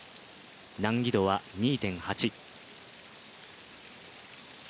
難易度は２．８。